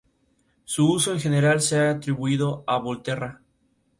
Su uso en general se ha atribuido a Volterra.